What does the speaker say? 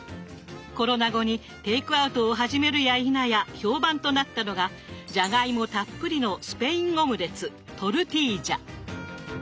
コロナ後にテイクアウトを始めるやいなや評判となったのがじゃがいもたっぷりのスペインオムレツ